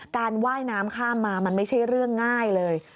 ว่ายน้ำข้ามมามันไม่ใช่เรื่องง่ายเลย